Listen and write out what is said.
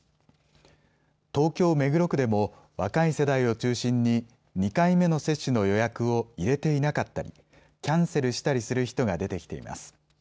東京目黒区でも若い世代を中心に２回目の接種の予約を入れていなかったりキャンセルしたりする人が出てきています。